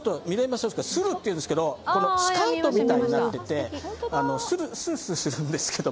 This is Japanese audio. スルっていうんですけれどもスカートみたいになっていて、スースーするんですけど。